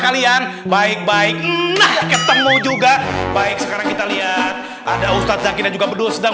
kalian baik baik ketemu juga baik sekarang kita lihat ada ustadz zaki dan juga bedus dan